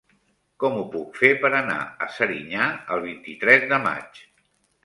Com ho puc fer per anar a Serinyà el vint-i-tres de maig?